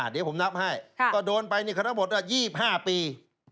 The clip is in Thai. เดี๋ยวผมนับให้ก็โดนไปทั้งหมด๒๕ปี